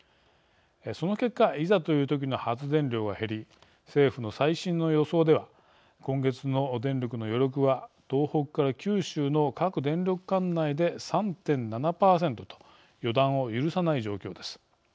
その結果いざというときの発電量が減り政府の最新の予想では今月の電力の余力は東北から九州の各電力管内で３．７％と予断を許さない状況です。